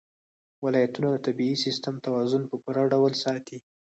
ولایتونه د طبعي سیسټم توازن په پوره ډول ساتي.